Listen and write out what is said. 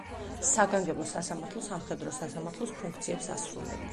საგანგებო სასამართლო სამხედრო სასამართლოს ფუნქციებს ასრულებდა.